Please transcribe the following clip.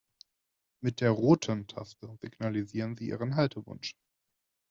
Mit der roten Taste signalisieren Sie Ihren Haltewunsch.